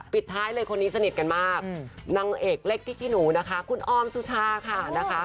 ปิดท้ายเลยคนนี้สนิทกันมากนางเอกเล็กพิกิหนูคุณออมสุชาค่ะ